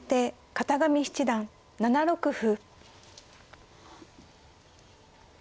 片上七段７六歩。